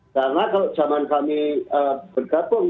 karena kalau zaman kami bergabung